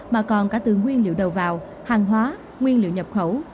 mà còn cả từ nguyên liệu đầu vào hàng hóa nguyên liệu nhập khẩu